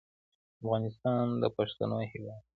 افغانستان د پښتنو هېواد دی.